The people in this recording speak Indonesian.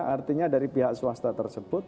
artinya dari pihak swasta tersebut